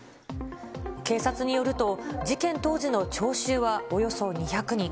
警察によると、事件当時の聴衆はおよそ２００人。